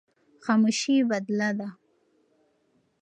خاموشي بدله ده.